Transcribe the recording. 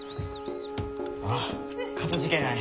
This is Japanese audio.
あっかたじけない。